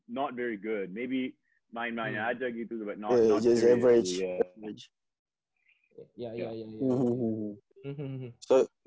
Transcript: atau mungkin gak begitu bagus